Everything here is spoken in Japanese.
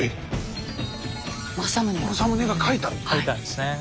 描いたんですね。